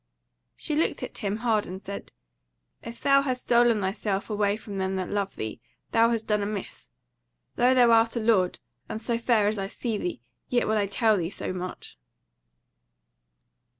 She looked at him hard and said: "If thou hast stolen thyself away from them that love thee, thou hast done amiss. Though thou art a lord, and so fair as I see thee, yet will I tell thee so much."